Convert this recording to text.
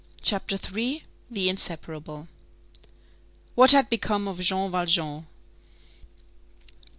CHAPTER III—THE INSEPARABLE What had become of Jean Valjean?